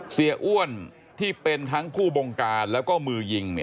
เสียอ้วนที่เป็นทั้งผู้บงการแล้วก็มือยิง